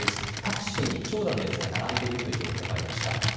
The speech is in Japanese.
タクシーに長蛇の列が並んでいる情報がありました。